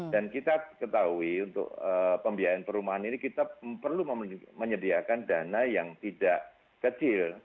dan kita ketahui untuk pembiayaan perumahan ini kita perlu menyediakan dana yang tidak kecil